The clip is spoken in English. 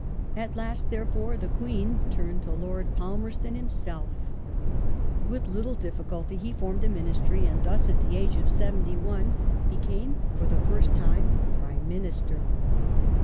At last, there fore, the Queen turned to Lord Palmei ston himself With little Lord Pal difficulty he formed a Ministry, and thus at the age of 71 Ixjcame, merston's f^p j jj^ ^^st time, Prime Minister.